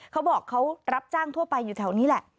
เขาบอกเขารับจ้างทั่วไปอยู่แถวนี้แหละ